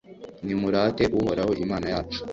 nimurate uhoraho, imana yacu